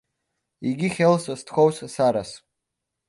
იგი ხელს სთხოვს სარას.